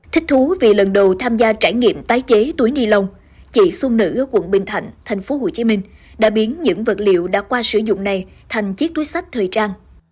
thích thú vì lần đầu tham gia trải nghiệm tái chế túi ni lông chị xuân nữ ở quận bình thạnh tp hcm đã biến những vật liệu đã qua sử dụng này thành chiếc túi sách thời trang